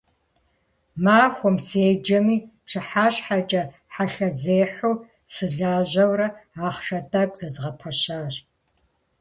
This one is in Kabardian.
Махуэм седжэми, пщыхьэщхьэкӀэ хьэлъэзехьэу сылажьэурэ ахъшэ тӀэкӀу зэзгъэпэщащ.